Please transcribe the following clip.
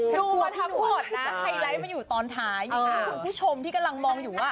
เพื่อพูดให้คุณผู้ชมที่กำลังมองอยู่ว่า